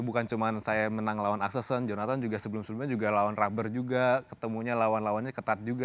bukan cuma saya menang lawan axelsen jonathan juga sebelum sebelumnya juga lawan rubber juga ketemunya lawan lawannya ketat juga